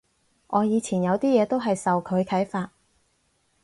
我以前有啲嘢都係受佢啓發